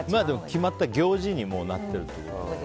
決まった行事になってるという。